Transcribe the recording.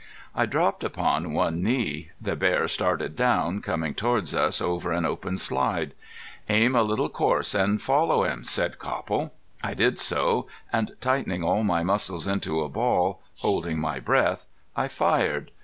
I dropped upon one knee. The bear started down, coming towards us over an open slide. "Aim a little coarse an' follow him," said Copple. I did so, and tightening all my muscles into a ball, holding my breath, I fired.